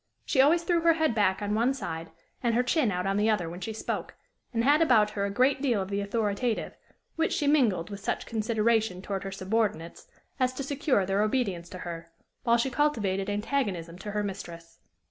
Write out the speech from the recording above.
She always threw her head back on one side and her chin out on the other when she spoke, and had about her a great deal of the authoritative, which she mingled with such consideration toward her subordinates as to secure their obedience to her, while she cultivated antagonism to her mistress.